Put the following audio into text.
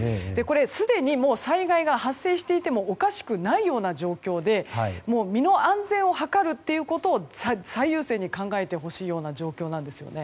すでに災害が発生していてもおかしくない状況で身の安全を図ることを最優先に考えてほしいような状況です。